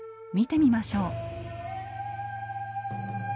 見てみましょう。